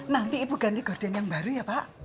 nanti ibu ganti gorden yang baru ya pak